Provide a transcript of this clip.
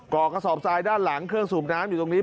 กระสอบทรายด้านหลังเครื่องสูบน้ำอยู่ตรงนี้